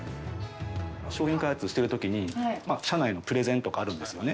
商品開発をしているときに、社内のプレゼンとかあるんですよね。